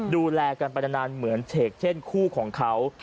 ดูแลกันไปนานเหมือนเฉกเช่นคู่ของเขา